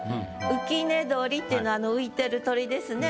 「浮寝鳥」っていうのはあの浮いてる鳥ですね。